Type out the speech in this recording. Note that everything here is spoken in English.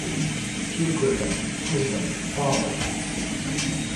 Peter Griffin: Husband, Father...